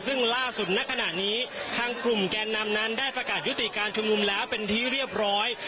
ซึ่งล่าสุดณขณะนี้ทางกลุ่มแกนนำนั้นได้ประกาศยุติการชุมนุมแล้วเป็นที่เรียบร้อย